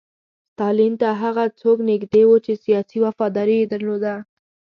ستالین ته هغه څوک نږدې وو چې سیاسي وفاداري یې درلوده